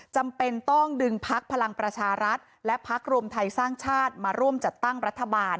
จำเป็นต้องดึงพักพลังประชารัฐและพักรวมไทยสร้างชาติมาร่วมจัดตั้งรัฐบาล